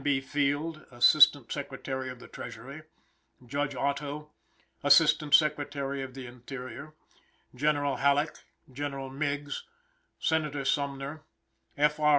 B. Field, Assistant Secretary of the Treasury, Judge Otto, Assistant Secretary of the Interior, General Halleck, General Meigs, Senator Sumner, F. R.